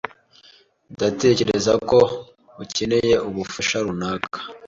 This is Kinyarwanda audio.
Ndatekereza ko ukeneye ubufasha runaka.